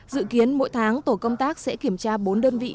dự kiến mỗi tháng tổ công tác sẽ kiểm tra bốn đơn vị